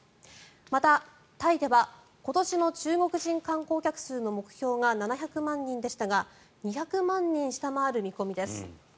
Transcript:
また、タイでは今年の中国人観光客の数が７００万人でしたが２００万人下回る見込みです。